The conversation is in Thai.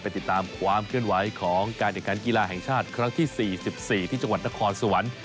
ไปติดตามความเคลื่อนไหวของการเนื้อการกีฬาแห่งชาติครั้งที่สี่สิบสี่ที่จังหวัดนครสวรรค์